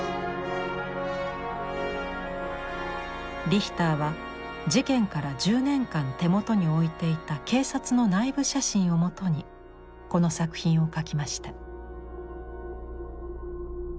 リヒターは事件から１０年間手元に置いていた警察の内部写真を基にこの作品を描きました。